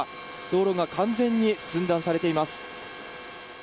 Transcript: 道路が完全に寸断されています。